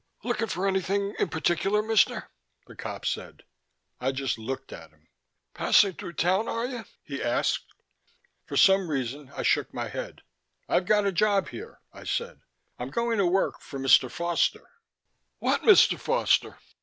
"Looking for anything in particular, Mister?" the cop said. I just looked at him. "Passing through town, are you?" he asked. For some reason I shook my head. "I've got a job here," I said. "I'm going to work for Mr. Foster." "What Mr. Foster?"